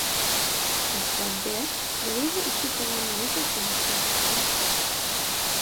Ve skladbě byl jeho učitelem Josef Bohuslav Foerster.